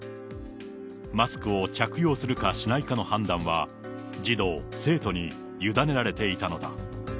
マスクを着用するかしないかの判断は、児童・生徒に委ねられていたのだ。